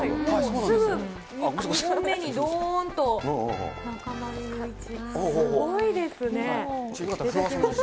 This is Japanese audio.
すぐ２本目にどーんと中丸雄一、すごいですね。